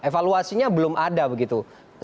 evaluasinya belum ada begitu